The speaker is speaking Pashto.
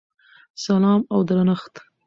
سلام او درنښت!!!